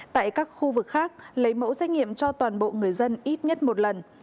tại các khu vực khác lấy mẫu xét nghiệm cho toàn bộ người dân ít nhất một lần